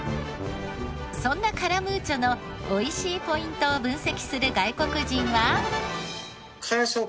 そんなカラムーチョのおいしいポイントを分析する外国人は。